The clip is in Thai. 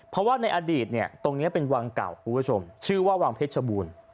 เพราะว่าในอดีตเนี่ยตรงนี้เป็นวังเก่าคุณผู้ชมชื่อว่าวังเพชรบูรณ์